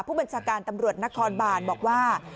ผู้บัญชาการตำรวจนครบานบอกว่า